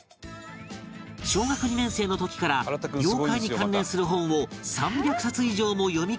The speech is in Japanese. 小学２年生の時から妖怪に関連する本を３００冊以上も読み込んで研究